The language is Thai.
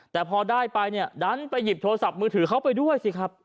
แต่พอได้ไปเนี่ยดันไปหยิบโทรศัพท์มือถือเขาไปด้วยสิครับ